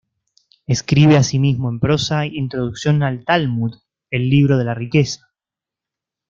Escribe asimismo en prosa "Introducción al Talmud", "El libro de la riqueza".